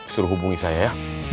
suruh hubungi saya ya